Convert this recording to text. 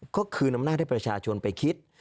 ก็คือนำหน้าให้ประชาชนไปคิด